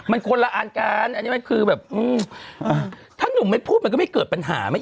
มันคนละอันการอันนี้มันคือแบบถ้านุ่มไม่พูดมันก็ไม่เกิดปัญหา